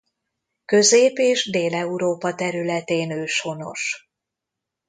Közép- és Dél-Európa területén őshonos.